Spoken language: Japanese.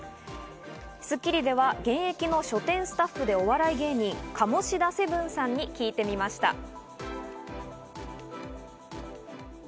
『スッキリ』では現役の書店スタッフでお笑い芸人・カモシダせぶんさんに聞いてみました。